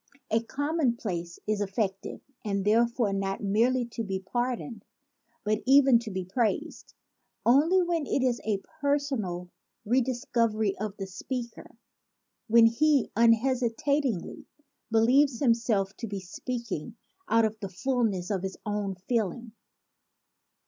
A commonplace is effective and therefore not merely to be pardoned but even to be praised, only when it is a personal redis covery of the speaker, when he unhesitatingly believes himself to be speaking out of the ful ness of his own feeling.